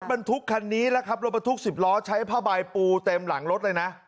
บรรทุกคันนี้นะครับรถบรรทุก๑๐ล้อใช้ผ้าใบปูเต็มหลังรถเลยนะ